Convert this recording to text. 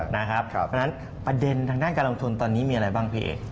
เพราะฉะนั้นประเด็นทางด้านการลงทุนตอนนี้มีอะไรบ้างพี่เอก